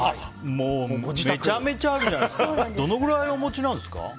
めちゃめちゃあるじゃないですかどのぐらいお持ちですか？